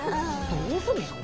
どうするんですか？